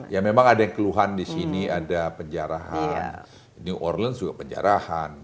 ya memang ada yang keluhan di sini ada penjarahan new orlence juga penjarahan